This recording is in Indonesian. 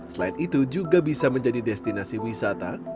selain itu juga bisa menjadi destinasi wisata